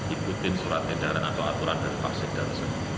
ikutin surat edaran atau aturan dari pak sedar